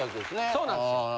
そうなんですよ。